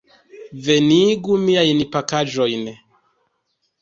Venigu miajn pakaĵojn.